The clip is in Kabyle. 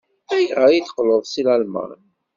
Ayɣer ay d-teqqleḍ seg Lalman?